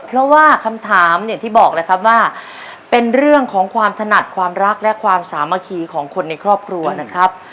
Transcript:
เพราะว่าคำถามเนี่ยที่บอกเลยครับว่าเป็นเรื่องของความถนัดความรักและความสามัคคีของคนในครอบครัวนะครับ